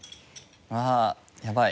わあやばい。